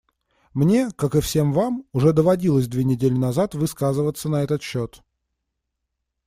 Мне, как и все вам, уже доводилось две недели назад высказываться на этот счет.